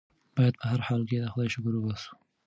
بايد په هر حال کې د خدای شکر وباسو.